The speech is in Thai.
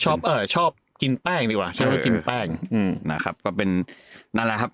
เอ่อชอบกินแป้งดีกว่าชอบกินแป้งอืมนะครับก็เป็นนั่นแหละครับ